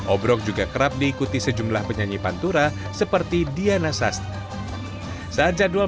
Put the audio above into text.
obrok juga kerap diikuti sejumlah penyanyi pantura seperti diana sasti saat jadwal